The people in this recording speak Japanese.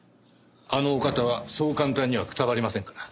あのお方はそう簡単にはくたばりませんから。